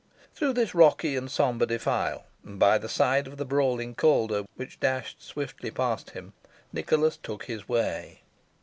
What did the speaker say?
Through this rocky and sombre defile, and by the side of the brawling Calder, which dashed swiftly past him, Nicholas took his way.